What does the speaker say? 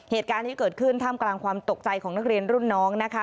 เหตุการณ์ที่เกิดขึ้นท่ามกลางความตกใจของนักเรียนรุ่นน้องนะคะ